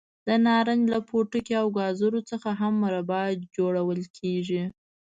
د نارنج له پوټکي او ګازرو څخه هم مربا جوړول کېږي.